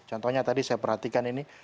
contohnya tadi saya perhatikan ini